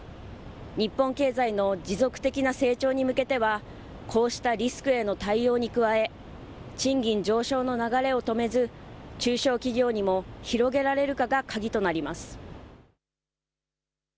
日本経済の持続的な成長に向けてはこうしたリスクへの対応に加え賃金上昇の流れを止めず中小企業にも広げられるかが鍵となります。